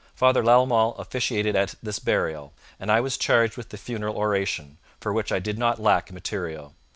Father Lalemant officiated at this burial, and I was charged with the funeral oration, for which I did not lack material.